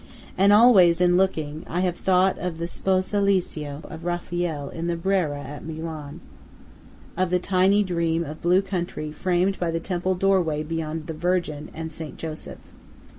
And always, in looking, I have thought of the "Sposalizio" of Raphael in the Brera at Milan, of the tiny dream of blue country framed by the temple doorway beyond the Virgin and Saint Joseph.